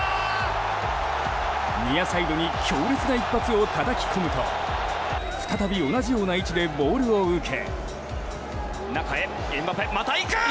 ニアサイドに強烈な一発をたたき込むと再び同じような位置でボールを受け。